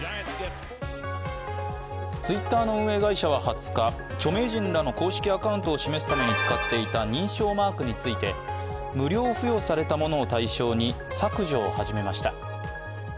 Ｔｗｉｔｔｅｒの運営会社は２０日著名人らの公式アカウントを示すために使っていた認証マークについて、無料付与されたものを対象に削除を始めました。